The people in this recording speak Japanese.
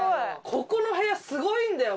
ここの部屋すごいんだよ